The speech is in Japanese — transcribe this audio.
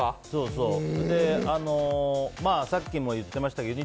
さっきも言ってましたけど。